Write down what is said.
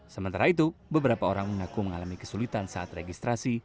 sementara itu beberapa orang mengaku mengalami kesulitan saat registrasi